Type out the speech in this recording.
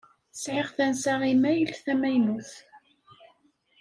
Sɛiɣ tansa imayl tamaynut.